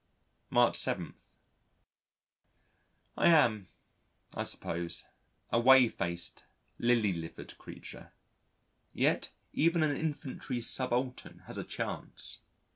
March 7. I am, I suppose, a whey faced, lily livered creature ... yet even an infantry subaltern has a chance....